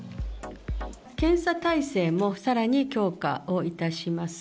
検査態勢もさらに強化をいたします。